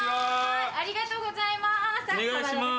ありがとうございます。